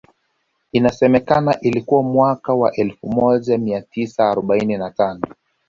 Inasemekana ilikuwa mwaka wa elfu moja mia tisa arobaini na tano